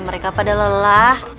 mereka pada lelah